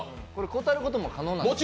断ることも可能なんですか？